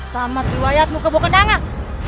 selamat diwayatmu kebukendangan